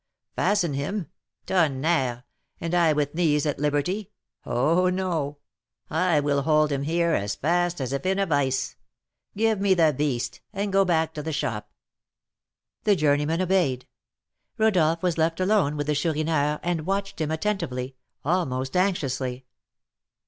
"Fasten him! Tonnerre! and I with my knees at liberty? Oh, no; I will hold him here as fast as if in a vice. Give me the beast, and go back to the shop." The journeyman obeyed. Rodolph was left alone with the Chourineur, and watched him attentively, almost anxiously.